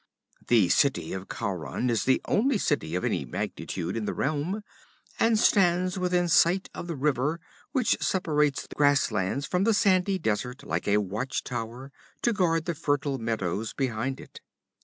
The city of Khauran is the only city of any magnitude in the realm, and stands within sight of the river which separates the grasslands from the sandy desert, like a watch tower to guard the fertile meadows behind it.